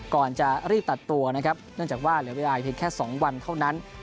ก่อนจะรีบตัดตัวนะครับเนื่องจากว่าเหลือเวลาเพียงแค่๒วันเท่านั้น